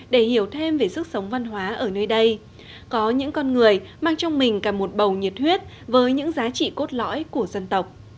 để hiểu thêm về sức sống văn hóa ở nơi đây có những con người mang trong mình cả một bầu nhiệt huyết với những giá trị cốt lõi của dân tộc